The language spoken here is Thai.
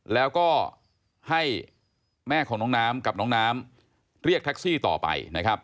แล้วก็ให้แม่ของน้องน้ำกับน้องน้ำเรียกแท็กซี่ต่อไปนะครับ